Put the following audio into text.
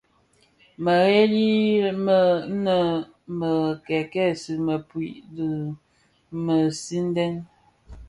Mërèli më mè kèkèsi mëpuid dhi mësinden.